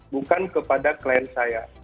bukan kepada klien saya